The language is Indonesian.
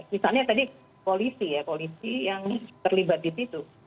misalnya tadi polisi ya polisi yang terlibat di situ